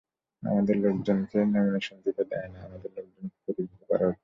আমাদের লোকজনকে নমিনেশন দিতে দেয় না, আমাদের লোকজনকে প্রতিহত করা হচ্ছে।